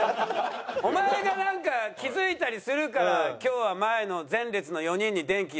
お前がなんか気付いたりするから今日は前の前列の４人に電気仕掛ける事になったんだよ。